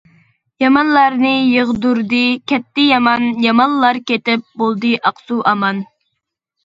يامانلارنى يىغدۇردى، كەتتى يامان، يامانلار كېتىپ بولدى ئاقسۇ ئامان.